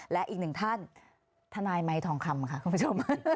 และอีกหนึ่งท่านทนายไมค์ทองคำค่ะคุณผู้ชม